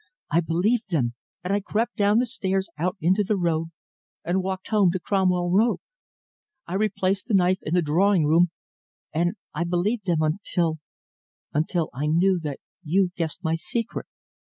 I believed them, and I crept down the stairs out into the road, and walked home to Cromwell Road. I replaced the knife in the drawing room, and I believed them until until I knew that you guessed my secret!